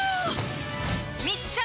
密着！